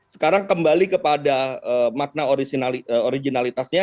sekarang kembali kepada makna originalitasnya